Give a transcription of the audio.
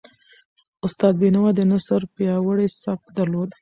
استاد بینوا د نثر پیاوړی سبک درلود.